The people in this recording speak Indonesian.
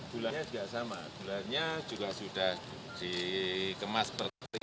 gulanya juga sama gulanya juga sudah dikemas per kilo